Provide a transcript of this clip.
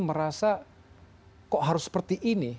merasa kok harus seperti ini